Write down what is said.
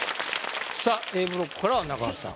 さあＡブロックからは中田さん